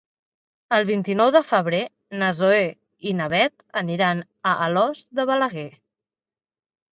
El vint-i-nou de febrer na Zoè i na Bet aniran a Alòs de Balaguer.